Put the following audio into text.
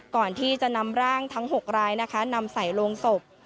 ก่อนที่จะนำร่างทั้ง๖รายนะคะนำใส่โรงศพ